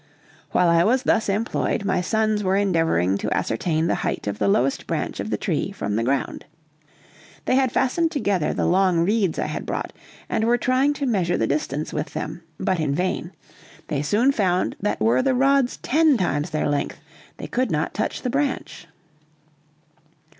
While I was thus employed my sons were endeavoring to ascertain the height of the lowest branch of the tree from the ground. They had fastened together the long reeds I had brought, and were trying to measure the distance with them, but in vain; they soon found that were the rods ten times their length they could not touch the branch.